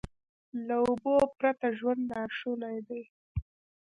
له اوبو پرته ژوند ناشونی دی.